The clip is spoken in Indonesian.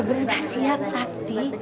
aku bener bener gak siap sakti